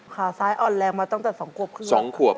ขาซ้ายอ่อนแลกมาตั้งแต่๒ขวบคือ